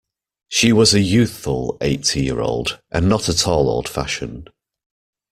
She was a youthful eighty-year-old, and not at all old-fashioned.